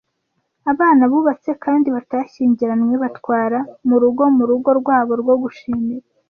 Abana bubatse kandi batashyingiranywe batwara murugo murugo rwabo rwo gushimira,